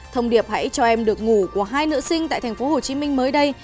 thông điệp hãy cho em được ngủ của hai nữ sinh tại tp hcm mới đây